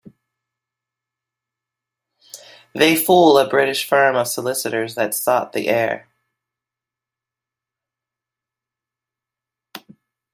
They fool a British firm of solicitors that sought the heir.